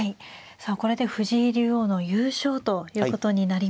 さあこれで藤井竜王の優勝ということになりました。